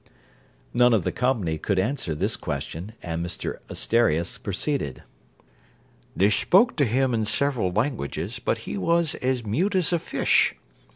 (None of the company could answer this question, and MR ASTERIAS proceeded.) They spoke to him in several languages, but he was as mute as a fish.